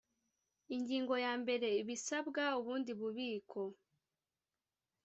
ingingo ya mbere ibisabwa ubundi bubiko